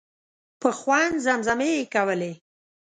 په خوند زمزمې یې کولې.